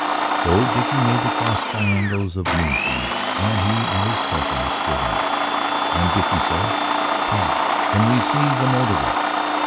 So Dickie made the crossed triangles of moon seeds and he and his cousins stood in it and Dickie said, "Please can we see the Mouldierwarp?"